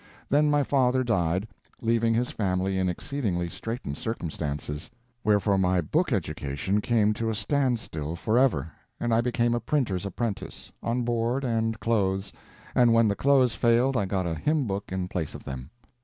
Then my father died, leaving his family in exceedingly straitened circumstances; wherefore my book education came to a standstill forever, and I became a printer's apprentice, on board and clothes, and when the clothes failed I got a hymn book in place of them.